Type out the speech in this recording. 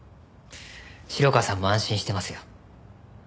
城川さんも安心してますよ。